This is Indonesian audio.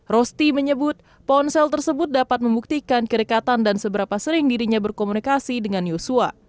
rosti menyebut ponsel tersebut dapat membuktikan kerekatan dan seberapa sering dirinya berkomunikasi dengan yosua